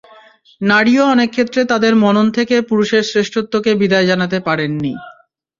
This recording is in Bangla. নারীও অনেক ক্ষেত্রে তাঁদের মনন থেকে পুরুষের শ্রেষ্ঠত্বকে বিদায় জানাতে পারেননি।